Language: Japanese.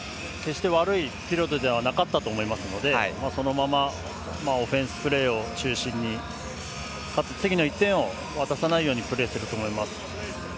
決して悪いピリオドではなかったと思いますのでそのまま、オフェンスプレーを中心にかつ、次の１点を渡さないようにプレーすると思います。